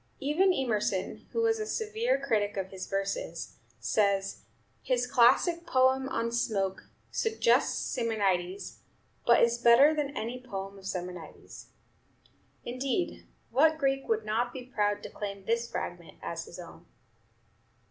Even Emerson, who was a severe critic of his verses, says, "His classic poem on 'Smoke' suggests Simonides, but is better than any poem of Simonides." Indeed, what Greek would not be proud to claim this fragment as his own?